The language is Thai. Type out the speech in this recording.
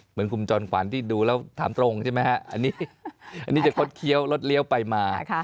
เหมือนคุณจอมขวัญที่ดูแล้วถามตรงใช่ไหมฮะอันนี้จะคดเคี้ยวรถเลี้ยวไปมา